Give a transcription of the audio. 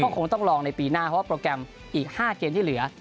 คงต้องลองในปีหน้าเพราะว่าโปรแกรมอีก๕เกมที่เหลือ